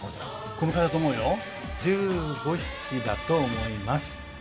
このくらいだと思うよ１５匹だと思います